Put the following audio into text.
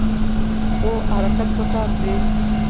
خو حرکت پکار دی.